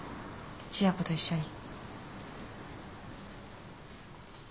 千夜子と一緒に。